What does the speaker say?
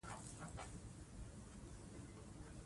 د نجونو تعلیم د رسنیو ازادي پیاوړې کوي.